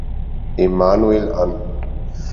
Emanuel an.